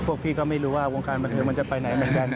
พวกพี่ก็ไม่รู้ว่าวงการบะเทียมจะไปไหน